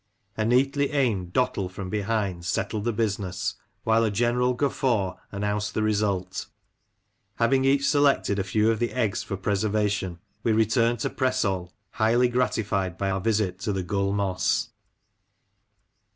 A neatly aimed "dottle " from behind settled the business, while a general guffaw announced the result Having each selected a few of the eggs for preservation, we returned to Presall, highly gratified by our visit to the Gull Moss.